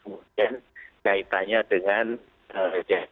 kemudian kaitannya dengan jahatan